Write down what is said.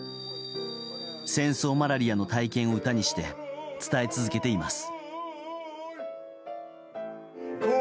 戦争マラリアの体験を歌にして伝え続けています。